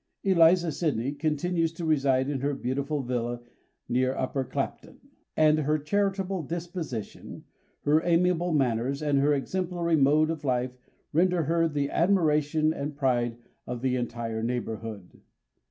Eliza Sydney continues to reside at her beautiful villa near Upper Clapton; and her charitable disposition, her amiable manners, and her exemplary mode of life render her the admiration and pride of the entire neighbourhood.